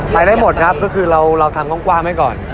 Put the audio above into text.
ไปได้หมดครับก็คือเราทำกว้างไว้ก่อน